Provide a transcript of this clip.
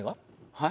はい？